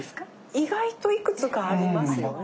意外といくつかありますよね。